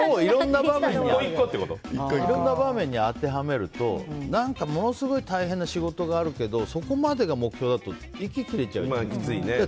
いろんな場面に当てはめるとものすごく大変な仕事があるけどそこまでが目標だと息切れちゃうじゃん。